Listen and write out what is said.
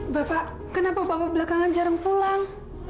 bapak kenapa bapak belakangan jarang pulang